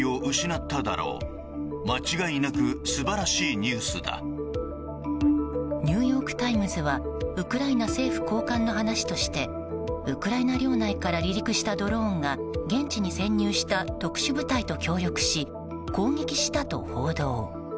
ニューヨーク・タイムズはウクライナ政府高官の話としてウクライナ領内から離陸したドローンが現地に潜入した特殊部隊と協力し攻撃したと報道。